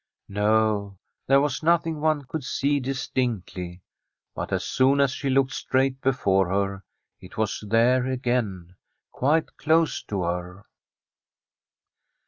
No, there was nothing one could see distinctly. But as soon as she looked straight before her, it was there again, quite close to her.